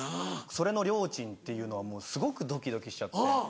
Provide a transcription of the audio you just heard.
それのリョーちんっていうのはすごくドキドキしちゃって。